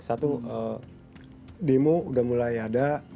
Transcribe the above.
satu demo udah mulai ada